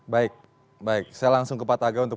baik baik saya langsung ke pak taga untuk